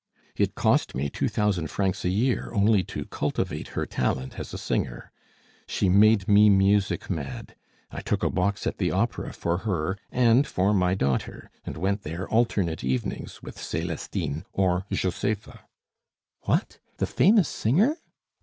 It cost me two thousand francs a year only to cultivate her talent as a singer. She made me music mad; I took a box at the opera for her and for my daughter, and went there alternate evenings with Celestine or Josepha." "What, the famous singer?"